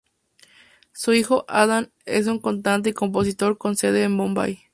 Su hijo, Adnan, es un cantante y compositor con sede en Bombay.